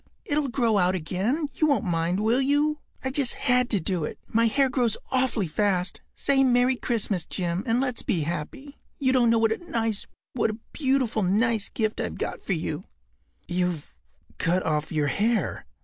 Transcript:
It’ll grow out again—you won’t mind, will you? I just had to do it. My hair grows awfully fast. Say ‘Merry Christmas!’ Jim, and let’s be happy. You don’t know what a nice—what a beautiful, nice gift I’ve got for you.” “You’ve cut off your hair?